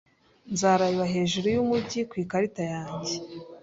Nzareba hejuru yumujyi ku ikarita yanjye.